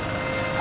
あ？